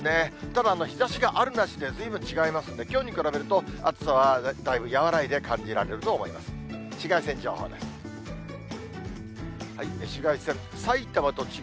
ただ、日ざしがあるなしでずいぶん違いますんで、きょうに比べると暑さはだいぶ和らいで感じられると思います。